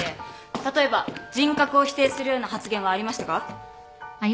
例えば人格を否定するような発言はありましたか？